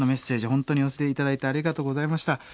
本当にお寄せ頂いてありがとうございました。